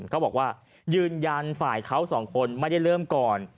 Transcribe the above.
ก็บอกว่ายืนยันฝ่ายเขาสองคนไม่ได้เริ่มก่อน